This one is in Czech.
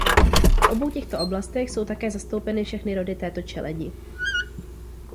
V obou těchto oblastech jsou také zastoupeny všechny rody této čeledi.